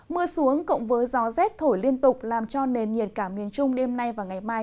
mưa xuống cộng với gió rét thổi liên tục làm cho nền nhiệt cả miền trung đêm nay và ngày mai